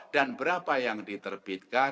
dan berapa yang diterbitkan